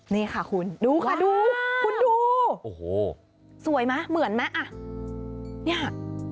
นี่ค่ะคุณดูค่ะดูคุณดูสวยไหมเหมือนไหมนี่